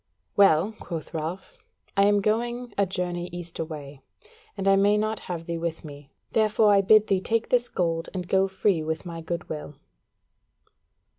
"Well," quoth Ralph, "I am going a journey east away, and I may not have thee with me, therefore I bid thee take this gold and go free with my goodwill."